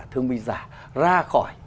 thương binh giả ra khỏi